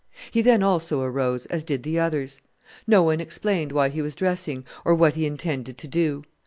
He, then, also arose, as did the others. No one explained why he was dressing, or what he intended to do.